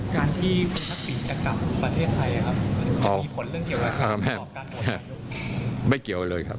การที่คุณท่าปีธรรมจะกลับประเทศไทยมันก็จะมีผลเรื่องเกี่ยวหรือเป็นความตอบการผลอ่อนดู